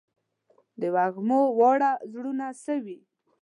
د وږمو واړه وزرونه سوی